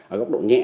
ở góc độ nhẹ